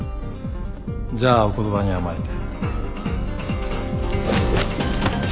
じゃあお言葉に甘えて。